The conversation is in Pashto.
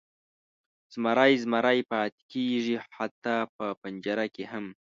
زمری زمری پاتې کیږي، حتی په پنجره کې هم.